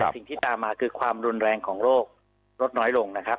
สิ่งที่ตามมาคือความรุนแรงของโรคลดน้อยลงนะครับ